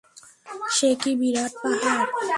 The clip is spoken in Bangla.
সে কি বিরাট পাহাড়!